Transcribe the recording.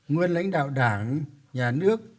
nguyên lãnh đạo đảng nhà nước